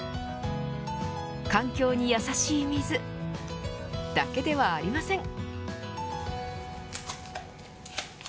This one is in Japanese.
環境にやさしい水だけではありません。